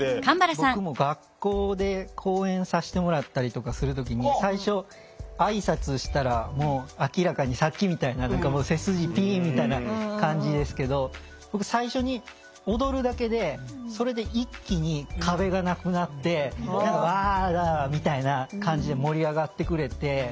僕も学校で講演させてもらったりとかする時に最初挨拶したらもう明らかにさっきみたいな背筋ピンみたいな感じですけど最初に踊るだけでそれで一気に壁がなくなって何か「わあ！」みたいな感じで盛り上がってくれて。